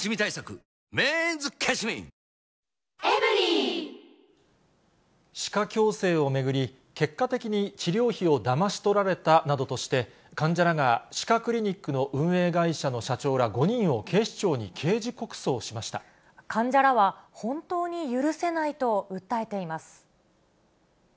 ハハッ。歯科矯正を巡り、結果的に治療費をだまし取られたなどとして、患者らが歯科クリニックの運営会社の社長ら５人を警視庁に刑事告患者らは本当に許せないと訴えています。